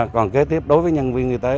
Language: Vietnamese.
còn kế tiếp đối với nhân viên y tế